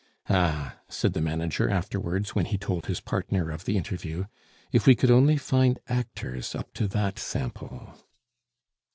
"Ah!" said the manager afterwards, when he told his partner of the interview, "if we could only find actors up to that sample."